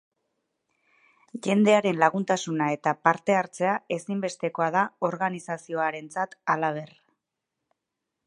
Jendearen laguntasuna eta parte hartzea ezinbestekoa da organizazioarentzat, halaber.